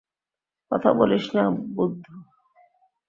কথা বলিস না, বুদ্ধু!